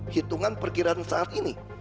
hitungan perkiraan saat ini